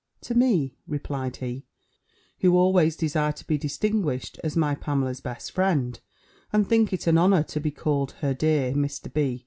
"To me," replied he, "who always desire to be distinguished as my Pamela's best friend, and think it an honour to be called _her dear Mr. B.